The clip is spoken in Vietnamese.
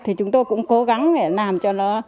thì chúng tôi cũng cố gắng để làm cho nó